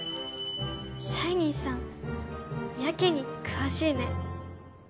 シャイニーさんやけに詳しいね。